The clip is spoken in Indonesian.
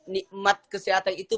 nikmat kesehatan itu